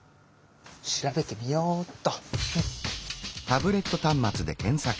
調べてみようっと！